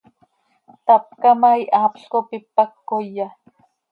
Tapca ma, ihaapl cop ipac coya.